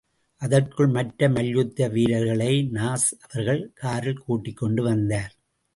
அதற்குள் மற்ற மல்யுத்த வீரர்களை நாஸ் அவர்கள் காரில் கூட்டிக்கொண்டு வந்தார்.